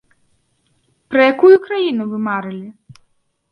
Пра якую краіну вы марылі?